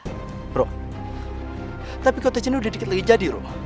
roro tapi kotek ini udah dikit lagi jadi roro